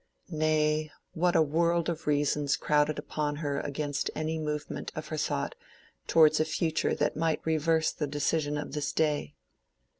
Nay, what a world of reasons crowded upon her against any movement of her thought towards a future that might reverse the decision of this day!